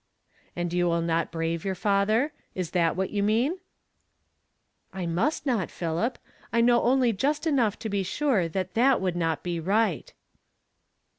"And you will not brave your father? Is that what you mean ?"'• I must not, Philip. I know only just enough to be sure that that would not be right."